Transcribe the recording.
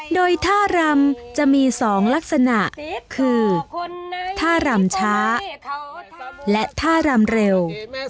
โดยท่ารำจะมี๒ลักษณะคือท่ารำช้าและท่ารำเร็ว